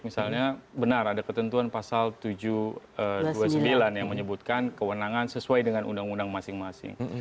misalnya benar ada ketentuan pasal tujuh ratus dua puluh sembilan yang menyebutkan kewenangan sesuai dengan undang undang masing masing